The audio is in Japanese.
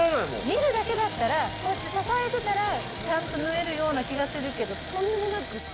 見るだけだったらこうやって支えてたらちゃんと縫えるような気がするけどとんでもなくって。